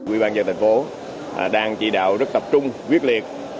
quỹ ban dân thành phố đang chỉ đạo rất tập trung quyết liệt